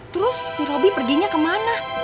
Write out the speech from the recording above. terus si roby perginya kemana